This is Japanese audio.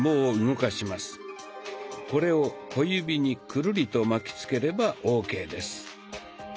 これを小指にくるりと巻きつければＯＫです。